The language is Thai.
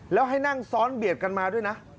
แล้วให้นั่งซ้อนเบียดกันมาด้วยนะ